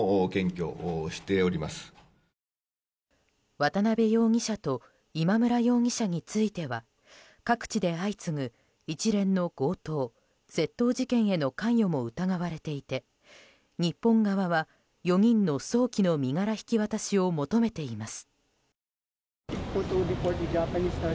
渡邉容疑者と今村容疑者については各地で相次ぐ一連の強盗・窃盗事件への関与も疑われていて日本側は、４人の早期の身柄引き渡しを求めています。